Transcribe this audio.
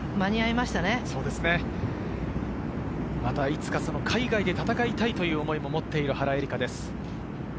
またいつか海外で戦いたいという思いも持っている原英莉花です。